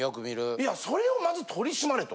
いやそれをまず取り締まれと。